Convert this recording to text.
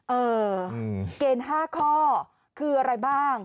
เออเกณฑ์๕ข้อคืออะไรบ้าง